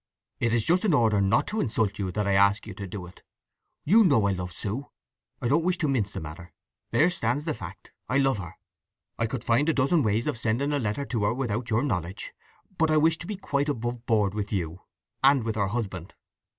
"It is just in order not to insult you that I ask you to do it. You know I love Sue. I don't wish to mince the matter—there stands the fact: I love her. I could find a dozen ways of sending a letter to her without your knowledge. But I wish to be quite above board with you, and with her husband.